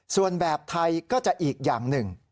ส่วนแบบไทยก็จะอีกอย่างหนึ่ง